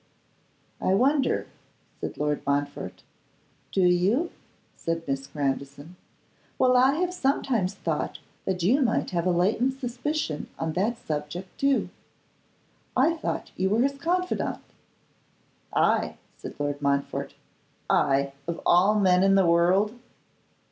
'I wonder!' said Lord Montfort. 'Do you?' said Miss Grandison. 'Well, I have sometimes thought that you might have a latent suspicion of that subject, too. I thought you were his confidant.' 'I!' said Lord Montfort; 'I, of all men in the world?